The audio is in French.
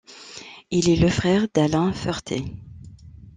Il est le frère d'Alain Ferté.